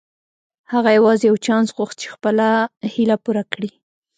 هغه يوازې يو چانس غوښت چې خپله هيله پوره کړي.